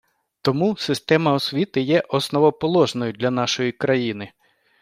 Тому система освіти є основоположною для нашої країни.